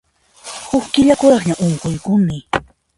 Huk killa kuraqñam unquykuni.